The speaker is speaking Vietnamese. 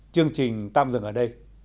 chương trình tạm dừng ở đây